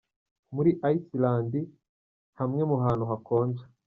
muri Ayisilandi hamwe mu ahantu hakonja.